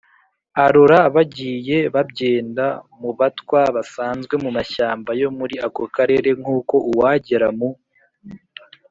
arora bagiye babyenda mu batwa basanzwe mu mashyamba yo muri ako karere. nk’uko uwagera mu